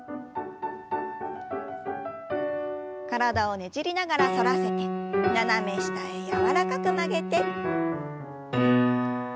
体をねじりながら反らせて斜め下へ柔らかく曲げて。